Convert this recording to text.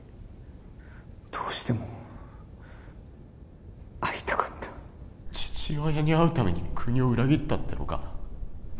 どうしても会いたかった父親に会うために国を裏切ったってのか？